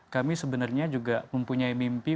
kami sebenarnya juga mempunyai mimpi